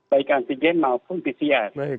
baik antigen maupun pcr